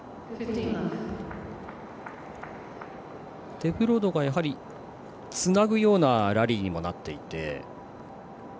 デフロートが、つなぐようなラリーにもなっていて。